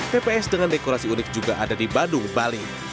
tps dengan dekorasi unik juga ada di badung bali